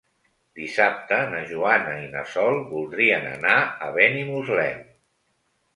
Dissabte na Joana i na Sol voldrien anar a Benimuslem.